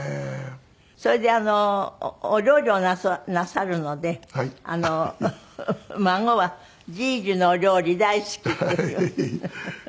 それでお料理をなさるので孫はじいじのお料理大好きって。